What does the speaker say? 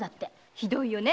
ひどいよね。